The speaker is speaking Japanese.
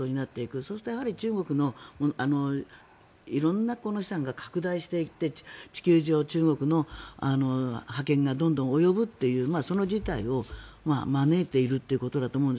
そうすると、中国の色んな資産が拡大していって地球上に中国の覇権がどんどん及ぶというその事態を招いているということだと思うんです。